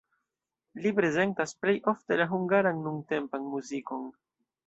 Li prezentas plej ofte la hungaran nuntempan muzikon.